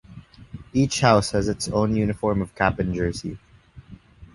Each house has its own uniform of cap and jersey.